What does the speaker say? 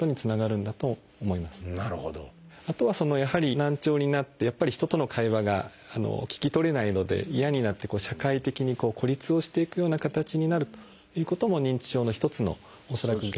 あとはやはり難聴になってやっぱり人との会話が聞き取れないので嫌になって社会的に孤立をしていくような形になるということも認知症の一つの恐らく原因。